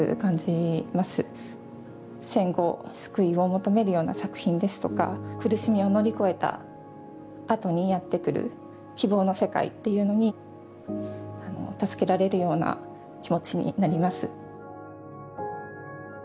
戦後救いを求めるような作品ですとか苦しみを乗り越えたあとにやってくる希望の世界っていうのに助けられるような気持ちになります。